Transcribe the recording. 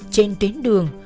trên tuyến đường